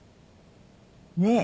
ねえ！